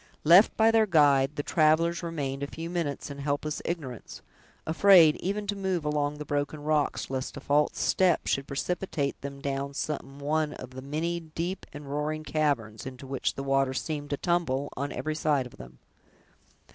Left by their guide, the travelers remained a few minutes in helpless ignorance, afraid even to move along the broken rocks, lest a false step should precipitate them down some one of the many deep and roaring caverns, into which the water seemed to tumble, on every side of them.